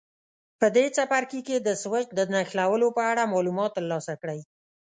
په دې څپرکي کې د سویچ د نښلولو په اړه معلومات ترلاسه کړئ.